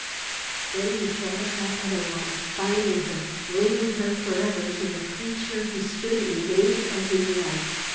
Then he thought of that other one, binding her, linking her forever to the creature, who stood in danger of his life.